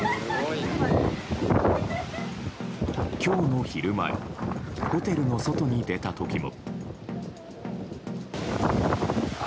今日の昼前ホテルの外に出た時も。